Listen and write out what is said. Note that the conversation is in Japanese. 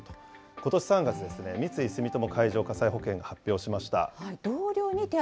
ことし３月ですね、三井住友海上火災保険が発表しました。